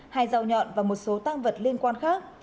hai dao nhọn và một số tăng vật liên quan khác